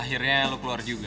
akhirnya lo keluar juga